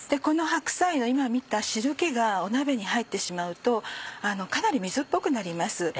この白菜の今見た汁気が鍋に入ってしまうとかなり水っぽくなります。